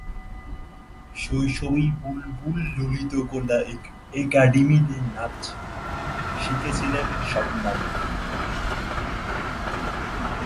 শৈশবেই বুলবুল ললিতকলা একাডেমিতে নাচ শিখেছিলেন শবনম।